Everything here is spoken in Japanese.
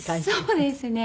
そうですね。